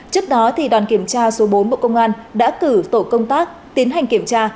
trước đó đoàn kiểm tra số bốn bộ công an đã cử tổ công tác tiến hành kiểm tra